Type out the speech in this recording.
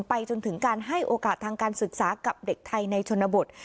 ไปจนถึงการให้โอกาสทางการศึกษากับเด็กไทยในชนบท